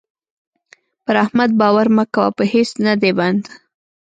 پر احمد باور مه کوه؛ په هيڅ نه دی بند.